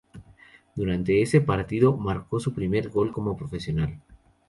Durante ese partido marcó su primer gol como profesional.